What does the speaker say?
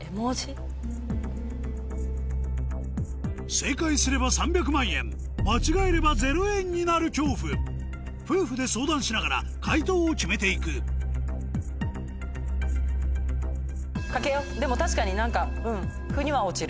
正解すれば３００万円間違えれば０円になる恐怖夫婦で相談しながら解答を決めていく懸けようでも確かに何かうん。